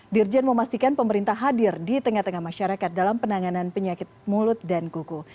dirjen memastikan pemerintah hadir di tengah tengah masyarakat dalam penanganan penyakit mulut dan kuku